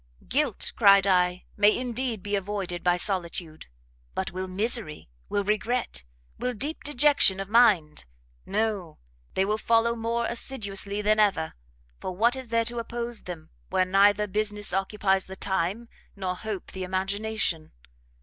"Guilt, cried I, may, indeed, be avoided by solitude; but will misery? will regret? will deep dejection of mind? no, they will follow more assiduously than ever; for what is there to oppose them, where neither business occupies the time, nor hope the imagination?